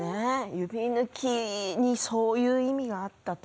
指ぬきにそういう意味があったと。